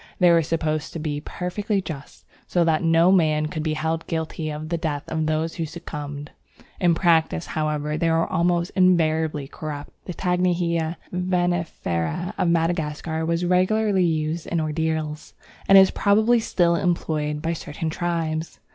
They were supposed to be perfectly just, so that no man could be held guilty of the death of those who succumbed. In practice, however, they were almost invariably corrupt. The Tanghinia venenifera of Madagascar was regularly used in ordeals, and is probably still employed by certain tribes.